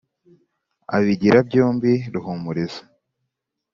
Abigira byombi Ruhumuriza